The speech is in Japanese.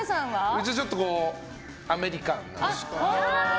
うちは、ちょっとアメリカンな。